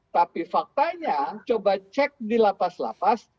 tapi faktanya coba cek di lapas lapas